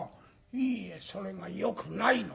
「いいえそれがよくないの。